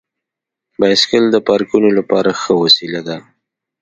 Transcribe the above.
بایسکل د پارکونو لپاره ښه وسیله ده.